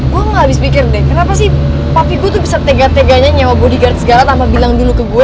gue gak habis pikir deh kenapa sih tapi gue tuh bisa tega teganya nyawa budi segarat sama bilang dulu ke gue